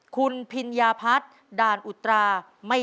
คุณพิญญาพัฒน์ด่านอุตรา